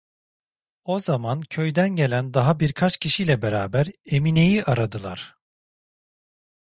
O zaman köyden gelen daha birkaç kişi ile beraber Emine’yi aradılar.